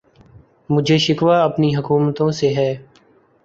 مجھے شکوہ اپنی حکومتوں سے ہے